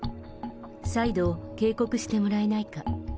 再度警告してもらえないか。